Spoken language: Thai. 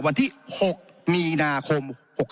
วันที่๖มีนาคม๖๖